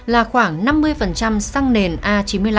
là khoảng năm mươi xăng nền a chín mươi năm